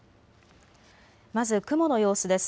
まず雲の様子です。